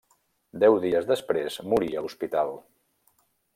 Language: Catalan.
Deu dies després morí a l'hospital.